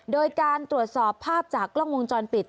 โดยการตรวจสอบภาพจากกล้องวงจรปิด